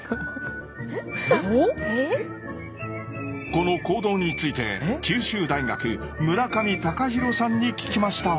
この行動について九州大学村上貴弘さんに聞きました。